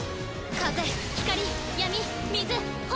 風光闇水炎。